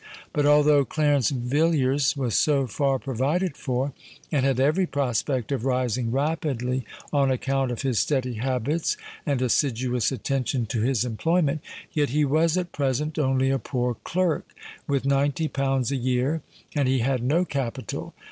But, although Clarence Villiers was so far provided for, and had every prospect of rising rapidly on account of his steady habits and assiduous attention to his employment, yet he was at present only a poor clerk with ninety pounds a year; and he had no capital.